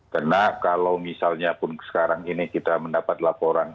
karena kalau misalnya pun sekarang ini kita mendapat laporan